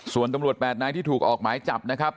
ส่วนตำรวจ๘นายที่ถูกออกหมายจับนะครับ